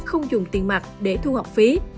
không dùng tiền mặt để thu học phí